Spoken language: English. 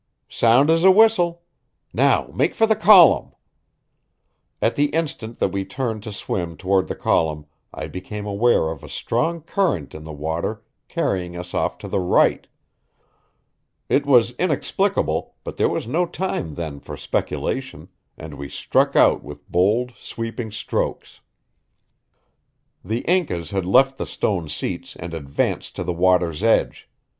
"Sound as a whistle. Now make for the column." At the instant that we turned to swim toward the column I became aware of a strong current in the water carrying us off to the right. It was inexplicable, but there was no time then for speculation, and we struck out with bold, sweeping strokes. The Incas had left the stone seats and advanced to the water's edge.